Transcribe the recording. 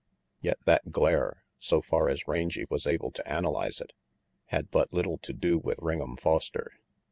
Yet that glare, so far as Rangy was able to analyze it, had but little to do with Ring'em Foster.